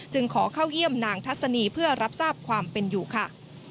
ขอเข้าเยี่ยมนางทัศนีเพื่อรับทราบความเป็นอยู่ค่ะ